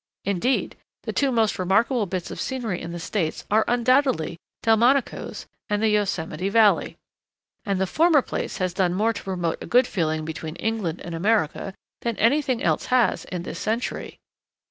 Indeed, the two most remarkable bits of scenery in the States are undoubtedly Delmonico's and the Yosemite Valley; and the former place has done more to promote a good feeling between England and America than anything else has in this century.